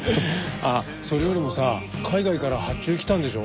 あっそれよりもさ海外から発注来たんでしょ？